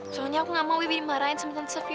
soalnya aku gak mau bibi marahin sama tante sepira